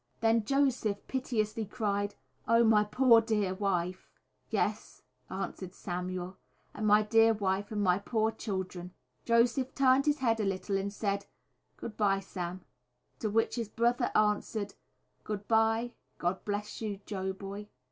Then Joseph piteously cried, "Oh, my poor, dear wife," "Yes," answered Samuel, "and my dear wife and my poor children." Joseph turned his head a little and said, "Good bye, Sam," to which his brother answered, "Good bye, God bless you, Joe boy.